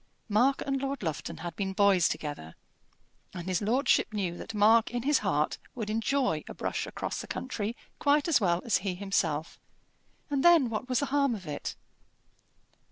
Mark and Lord Lufton had been boys together, and his lordship knew that Mark in his heart would enjoy a brush across the country quite as well as he himself; and then what was the harm of it?